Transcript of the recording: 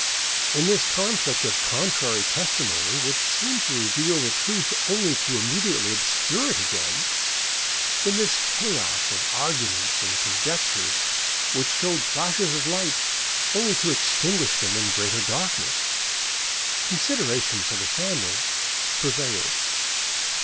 In this conflict of contrary testimony, which seemed to reveal the truth only to immediately obscure it again, in this chaos of arguments and conjectures which showed flashes of light only to extinguish them in greater darkness, consideration for the family prevailed.